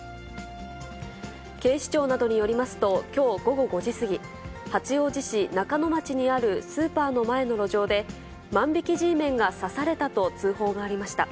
警視庁などによりますと、きょう午後５時過ぎ、八王子市中野町にあるスーパーの前の路上で、万引きＧメンが刺されたと通報がありました。